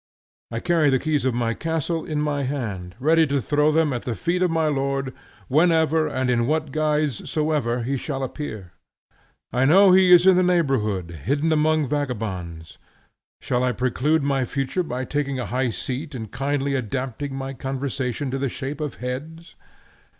I carry the keys of my castle in my hand, ready to throw them at the feet of my lord, whenever and in what disguise soever he shall appear. I know he is in the neighborhood hidden among vagabonds. Shall I preclude my future by taking a high seat and kindly adapting my conversation to the shape of heads?